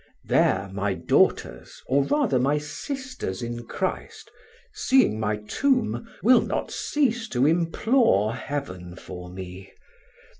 There, my daughters, or rather my sisters in Christ, seeing my tomb, will not cease to implore Heaven for me.